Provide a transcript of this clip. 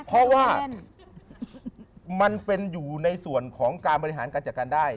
เพราะว่ามันเป็นอยู่ในส่วนของการบริหารการจัดการได้